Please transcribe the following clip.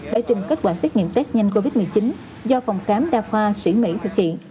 bài trình kết quả xét nghiệm test nhanh covid một mươi chín do phòng khám đa khoa sĩ mỹ thực hiện